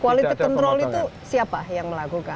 quality control itu siapa yang melakukan